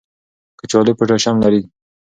کچالو پوټاشیم لري.